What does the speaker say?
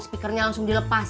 speakernya langsung dilepas